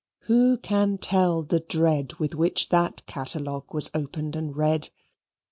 Who can tell the dread with which that catalogue was opened and read!